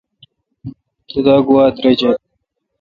تو دا گواؙ ترجہ۔